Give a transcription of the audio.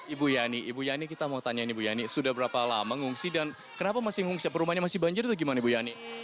ibu yani ibu yani kita mau tanya ini bu yani sudah berapa lama mengungsi dan kenapa masih mengungsi perumahnya masih banjir atau gimana bu yani